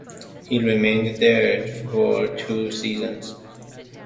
He remained there for two seasons.